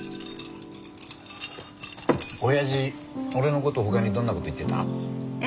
オヤジ俺のこと他にどんなこと言ってた？え？